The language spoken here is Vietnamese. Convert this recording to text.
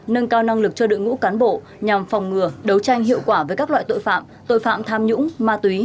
nâng cao năng lực cho đội ngũ cán bộ nhằm phòng ngừa đấu tranh hiệu quả với các loại tội phạm tội phạm tham nhũng ma túy